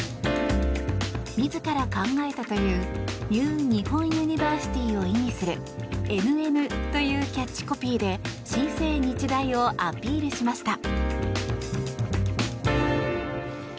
自ら考えたというニュー・ニホンユニバーシティーを意味する「Ｎ・Ｎ」というキャッチコピーで新生日大をアピールしました。